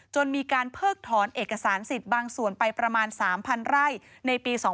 จนมีการเพิกถอนเอกสารสิทธิ์บางส่วนไปประมาณ๓๐๐ไร่ในปี๒๕๖